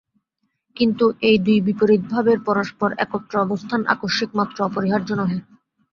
কিন্তু এই দুই বিপরীত ভাবের পরস্পর একত্র অবস্থান আকস্মিক মাত্র, অপরিহার্য নহে।